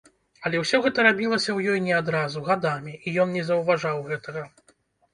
Але ўсё гэта рабілася ў ёй не адразу, гадамі, і ён не заўважаў гэтага.